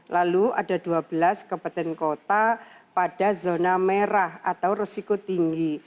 lalu ada dua belas kabupaten kota pada zona merah atau resiko tinggi